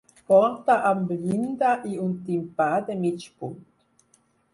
Porta amb llinda i un timpà de mig punt.